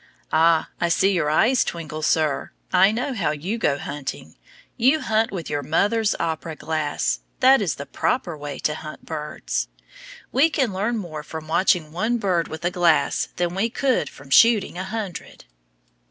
Ah, I see your eyes twinkle, sir; I know how you go hunting. You hunt with your mother's opera glass! That is the proper way to hunt birds. We can learn more from watching one bird with a glass than we could from shooting a hundred.